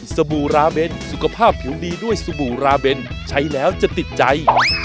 บู่ราเบนสุขภาพผิวดีด้วยสบู่ราเบนใช้แล้วจะติดใจ